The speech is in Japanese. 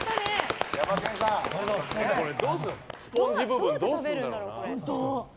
スポンジの部分どうするんだろうな？